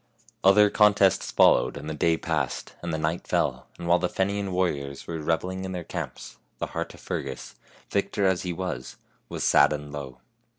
Other contests followed, and the day passed, and the night fell, and while the Fenian warriors were reveling in their camps the heart of Fer gus, victor as he was, was sad and low.